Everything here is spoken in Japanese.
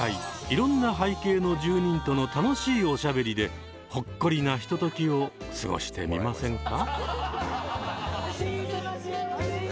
いろんな背景の住人との楽しいおしゃべりでほっこりなひとときを過ごしてみませんか？